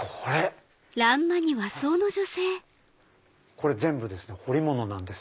これ全部ですね彫り物なんです。